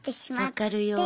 分かるように。